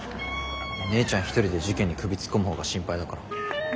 姉ちゃん一人で事件に首突っ込むほうが心配だから。